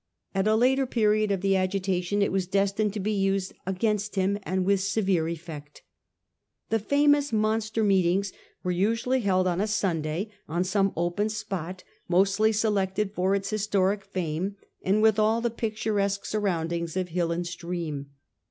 At a later period of the agitation it was destined to be used 'against him, and with severe effect. The famous monster mee ting s were usually held on a Sunday, on some open spot, mostly selected for its historic fame, and with all the picturesque surroundings of hill and stream.